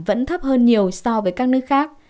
vẫn thấp hơn nhiều so với các nước khác